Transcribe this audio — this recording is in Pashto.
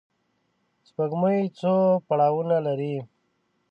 سپوږمۍ څو پړاوونه لري